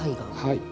はい。